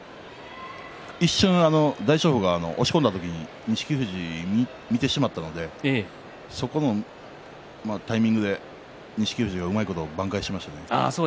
一瞬、大翔鵬を押し込んだ時に錦富士見てしまったのでそこのタイミングで錦富士はうまいこと挽回しましたね。